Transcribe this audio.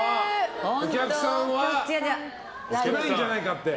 お客さんは少ないんじゃないかって。